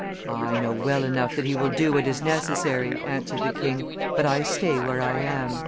I know well enough that he will do what is necessary," answered the king, "but I stay where I am."